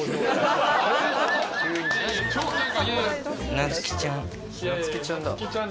なつきちゃんだ。